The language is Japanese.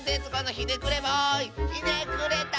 ひねくれたです！